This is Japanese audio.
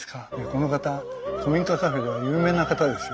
この方古民家カフェでは有名な方ですよ。